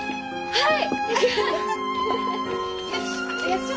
はい！